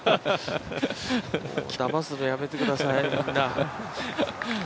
だますの、やめてください。